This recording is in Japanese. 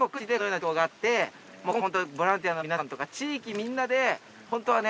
今回ホントボランティアの皆さんとか地域みんなでホントはね